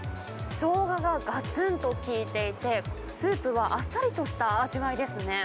しょうがががつんと効いていて、スープはあっさりとした味わいですね。